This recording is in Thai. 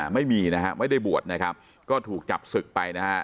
ไม่มีนะฮะไม่ได้บวชนะครับก็ถูกจับศึกไปนะฮะ